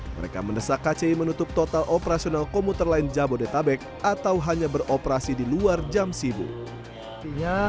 mereka mendesak kci menutup total operasional komuter lain jabodetabek atau hanya beroperasi di luar jam sibuk